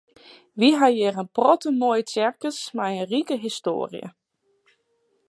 Wy ha hjir in protte moaie tsjerkjes mei in rike histoarje.